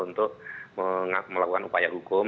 untuk melakukan upaya hukum